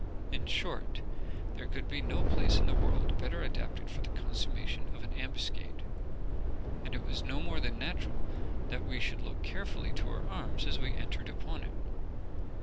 In short, there could be no place in the world better adapted for the consummation of an ambuscade, and it was no more than natural that we should look carefully to our arms as we entered upon it.